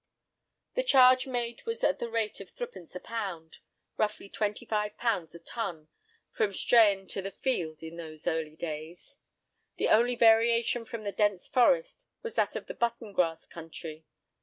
The charge made was at the rate of threepence a pound—roughly twenty five pounds a ton—from Strahan to the "field," in those early days. The only variation from the dense forest was that of the "button grass" country.